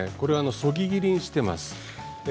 そぎ切りにしています。